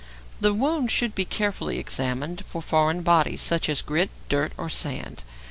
The wound should be carefully examined for foreign bodies, such as grit, dirt, or sand.